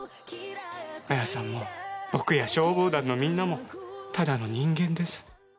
彩さんも僕や消防団のみんなもただの人間です。